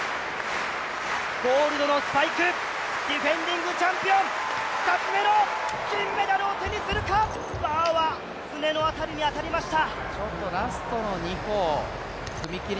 ゴールドのスパイク、ディフェンディングチャンピオン２つ目の金メダルを手にするか、バーはすねの辺りに当たりました。